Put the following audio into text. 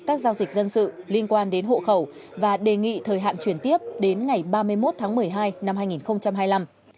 các giao dịch dân sự liên quan đến hộ khẩu và đề nghị thời hạn chuyển tiếp đến ngày ba mươi một tháng một mươi hai năm hai nghìn hai mươi năm